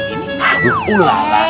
ini abu ulam